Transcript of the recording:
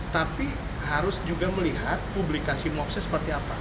tapi harus juga melihat publikasi mops nya seperti apa